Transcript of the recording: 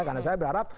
karena saya berharap